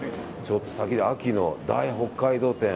秋の大北海道展。